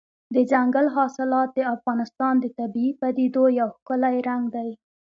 دځنګل حاصلات د افغانستان د طبیعي پدیدو یو ښکلی رنګ دی.